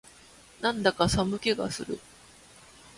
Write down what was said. なんだか寒気がする